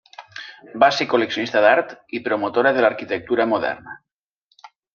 Va ser col·leccionista d'art i promotora de l'arquitectura moderna.